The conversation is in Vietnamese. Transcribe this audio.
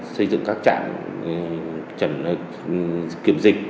xây dựng các trạng kiểm dịch